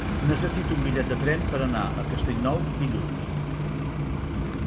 Necessito un bitllet de tren per anar a Castellnou dilluns.